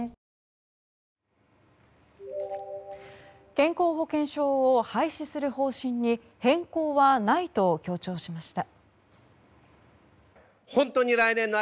健康保険証を廃止する方針に変更はないと強調しました。